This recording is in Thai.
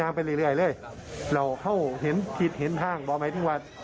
นังไปเลยห้อเห็นเห็นทางบอกมั้ยถึงว่า